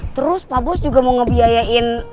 terus pak bos juga mau ngebiayain